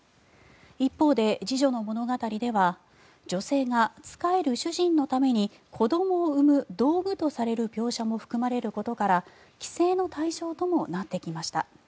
一方で「侍女の物語」では女性が仕える主人のために子どもを産む道具とされる描写も含まれることから規制の対象ともなってきました。